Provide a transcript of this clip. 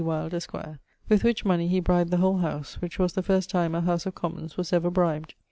Wyld, esq.). With which money he bribed the whole House, which was the first time a House of Commons was ever bribed.